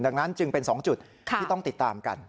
ดังนั้นจึงเป็น๒จุดที่ต้องติดตามกัน